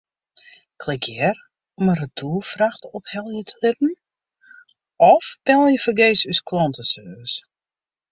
Klik hjir om in retoerfracht ophelje te litten of belje fergees ús klanteservice.